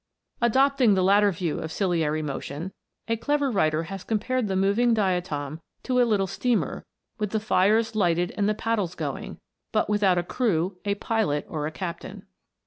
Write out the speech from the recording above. Adopting the latter view of ciliary motion, a clever writer has compared the moving diatom to a little steamer with the fires lighted and the paddles going, but without a crew, a pilot, or a captain.